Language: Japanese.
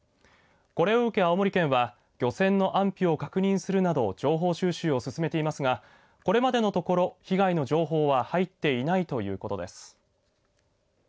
これを受け、青森県は漁船の安否を確認するなど情報収集を進めていますがこれまでのところ被害の情報は入っていないということです。